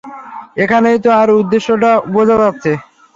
এখানেই তো তার উদ্দেশ্যটা বোঝা যাচ্ছে।